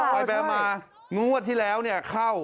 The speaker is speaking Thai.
กลายแบบมางวดที่แล้วเข้า